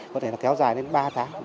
có thể là kéo dài đến ba tháng